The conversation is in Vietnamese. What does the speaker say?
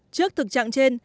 trước thực trạng trên